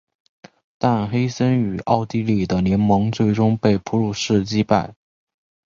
但黑森与奥地利的联盟最终被普鲁士击败。